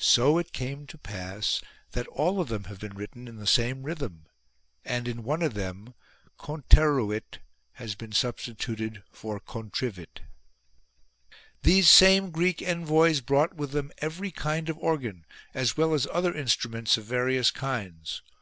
So it came to pass A GREEK ORGAN that all of them have been written in the same rhythm, and in one of them conteruit has been sub stituted for "conirivit" These same Greek envoys brought with them every kind of organ, as well as other instruments of various kinds.